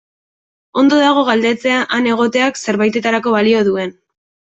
Ondo dago galdetzea han egoteak zerbaitetarako balio duen.